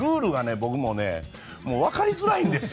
僕もわかりづらいんですよ。